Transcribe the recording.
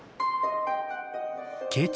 慶長